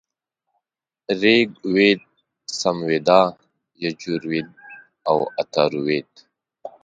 ریګ وید، سمویدا، یجوروید او اتارو وید -